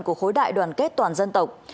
của khối đại đoàn kết toàn dân tộc